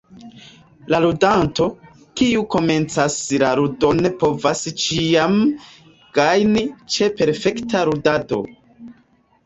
La ludanto, kiu komencas la ludon povas ĉiam gajni ĉe perfekta ludado.